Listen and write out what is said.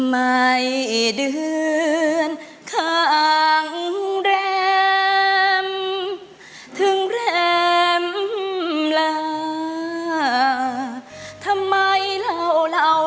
ไม่เพราะเงา